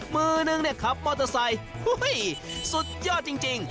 มือนึงขับมอเตอร์ไซค์ฮึ้ยสุดยอดจริง